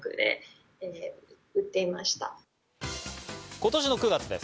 今年の９月です。